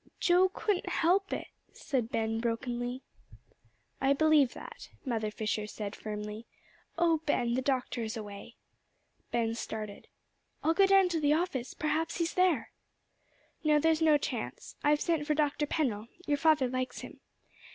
"Joe couldn't help it," said Ben brokenly. "I believe that," Mother Fisher said firmly. "Oh Ben, the doctor is away." Ben started. "I'll go down to the office; perhaps he's there." "No; there's no chance. I've sent for Dr. Pennell. Your father likes him.